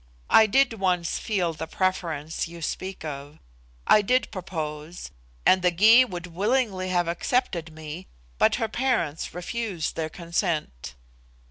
I did once feel the preference you speak of; I did propose, and the Gy would willingly have accepted me, but her parents refused their consent."